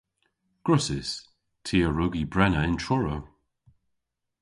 Gwrussys. Ty a wrug y brena yn Truru.